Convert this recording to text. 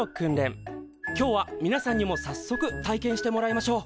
今日はみなさんにもさっそく体験してもらいましょう。